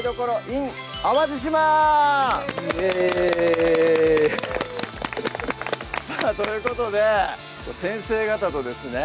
イェーイさぁということで先生方とですね